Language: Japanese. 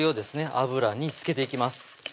油につけていきます